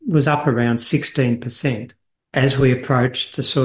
rasio tabungan rata rata itu berada di sekitar enam belas